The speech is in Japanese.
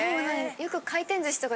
よく。